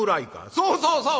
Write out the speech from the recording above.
「そうそうそう！